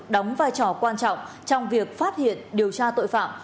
đóng vai trò quan trọng trong việc phát hiện điều tra tội phạm